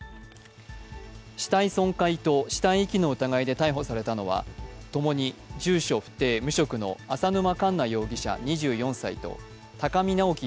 死体損壊と死体遺棄の疑いで逮捕されたのはともに住所不定・無職の淺沼かんな容疑者２４歳と高見直輝